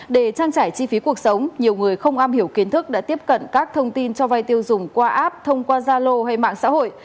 để trang trải chi phí cuộc sống nhiều người không am hiểu kiến thức đã tiếp cận các thông tin cho vay tiêu dùng qua app thông qua zalo hay mạng xã hội